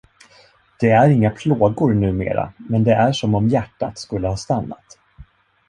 Det är inga plågor numera men det är som om hjärtat skulle ha stannat.